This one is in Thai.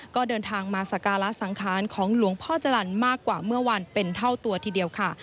ก็เดินทางมาสการะสังขารของหลวงพ่อจรรย์มากกว่าเมื่อวันเป็นเท่าตัวทีเดียวค่ะ